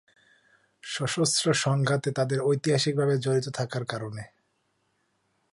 সশস্ত্র সংঘাতে তাদের ঐতিহাসিকভাবে জড়িত থাকার কারণে।